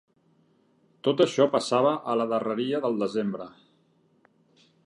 Tot això passava a la darreria del desembre